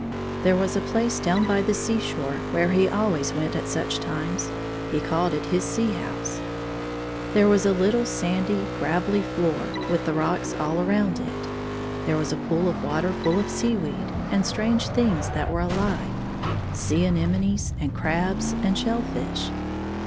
There was a place down by the sea shore where 32 he always .went at such tunes ; he called it his sea house. There was a httle sandy, gravelly floor, with the rocks all around it. There was a pool of water full of sea weed, and strange things that were aUve — sea anemones and crahs and shell fish.